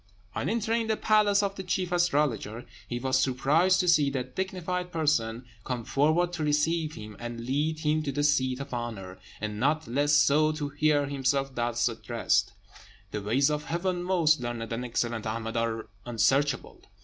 On entering the palace of the chief astrologer, he was surprised to see that dignified person come forward to receive him, and lead him to the seat of honour, and not less so to hear himself thus addressed: "The ways of Heaven, most learned and excellent Ahmed, are unsearchable.